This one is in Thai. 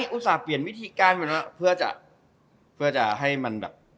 อุตส่าห์เปลี่ยนวิธีการมันเพื่อจะให้มันแบบ